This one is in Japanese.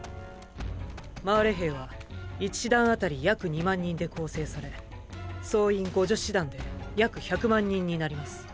マーレ兵は一師団あたり約２万人で構成され総員５０師団で約１００万人になります。